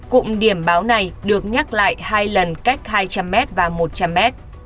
cụm điểm báo này được nhắc lại hai lần cách hai trăm linh m và một trăm linh m